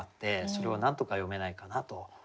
それをなんとか詠めないかなと。